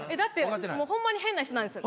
ホンマに変な人なんです。